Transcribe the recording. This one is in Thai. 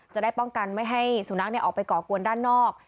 จะได้ป้องกันไม่ให้สุนัขออกไปก่อกวนด้านนอก